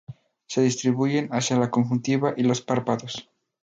Se distribuyen hacia la conjuntiva y los párpados.